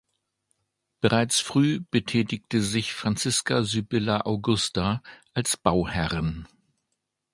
Bereits früh betätigte sich Franziska Sibylla Augusta als Bauherrin.